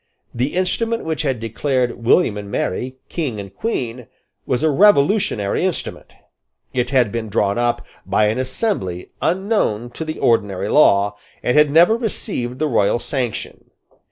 The instrument which had declared William and Mary King and Queen was a revolutionary instrument. It had been drawn up by an assembly unknown to the ordinary law, and had never received the royal sanction.